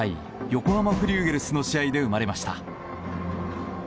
横浜フリューゲルスの試合で生まれました。